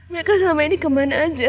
mereka selama ini kemana aja